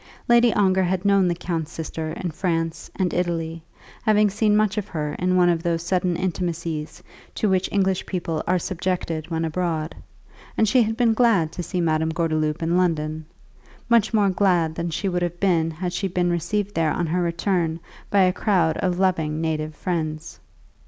Lady Ongar had known the count's sister in France and Italy, having seen much of her in one of those sudden intimacies to which English people are subject when abroad; and she had been glad to see Madame Gordeloup in London, much more glad than she would have been had she been received there on her return by a crowd of loving native friends.